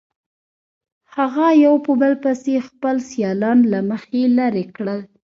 هغه یو په بل پسې خپل سیالان له مخې لرې کړل.